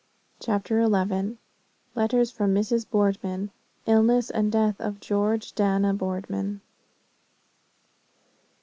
CHAPTER XI. LETTER FROM MRS. BOARDMAN. ILLNESS AND DEATH OF GEORGE DANA BOARDMAN.